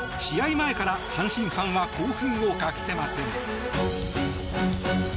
前から阪神ファンは興奮を隠せません。